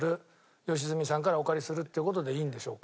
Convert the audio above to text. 良純さんからお借りするっていう事でいいんでしょうか？